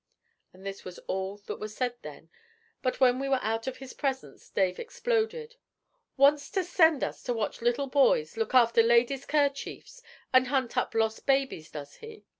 And this was all that was said then, but when we were out of his presence Dave exploded. 'Wants to send us to watch little boys, look after ladies' kerchiefs, and hunt up lost babies, does he?'